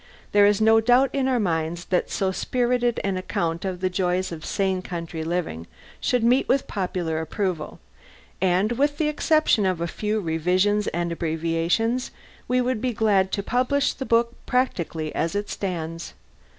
There is no doubt in our minds that so spirited an account of the joys of sane country living should meet with popular approval, and, with the exception of a few revisions and abbreviations, we would be glad to publish the book practically as it stands.